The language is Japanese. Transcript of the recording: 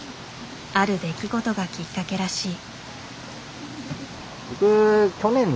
ある出来事がきっかけらしい。